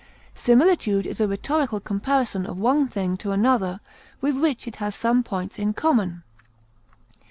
Similitude is a rhetorical comparison of one thing to another with which it has some points in common.